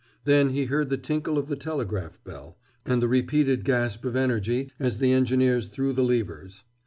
Then he heard the tinkle of the telegraph bell, and the repeated gasp of energy as the engineers threw the levers.